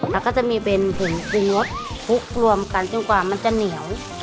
แล้วก็จะมีเป็นผงปรุงรสพลุกรวมกันจนกว่ามันจะเหนียว